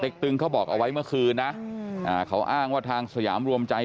เต็กตึงเขาบอกเอาไว้เมื่อคืนนะเขาอ้างว่าทางสยามร่วมใจ